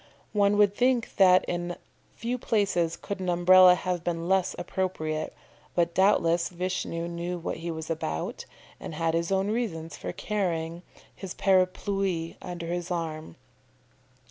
One would think that in few places could an Umbrella have been less appropriate, but doubtless Vishnu knew what he was about, and had his own reasons for carrying his Parapluie under his arm.